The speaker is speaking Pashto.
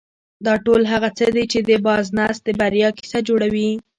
دا ټول هغه څه دي چې د بارنس د بريا کيسه جوړوي.